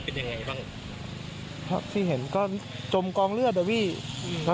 เป็นยังไงบ้างครับที่เห็นก็จมกองเลือดอ่ะพี่อืมครับ